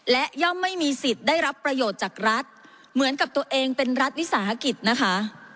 และย่อมไม่มีสิทธิ์ได้รับประโยชน์จากรัฐเหมือนกับตัวเองเป็นรัฐวิสาหกิจนะคะ